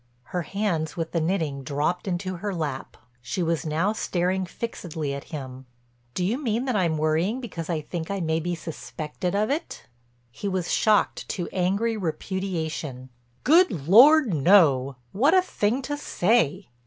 Her hands with the knitting dropped into her lap. She was now staring fixedly at him: "Do you mean that I'm worrying because I think I may be suspected of it?" He was shocked to angry repudiation. "Good Lord, no! What a thing to say!"